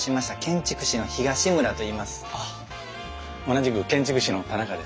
同じく建築士の田中です。